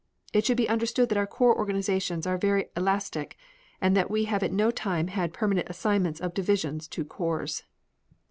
It should be understood that our corps organizations are very elastic, and that we have at no time had permanent assignments of divisions to corps.